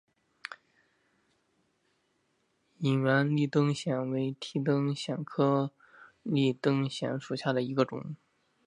隐缘立灯藓为提灯藓科立灯藓属下的一个种。